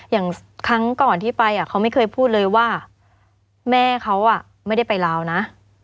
อย่างครั้งก่อนที่ไปเขาไม่เคยพูดเลยว่าแม่เขาไม่ได้ไปลาวนะ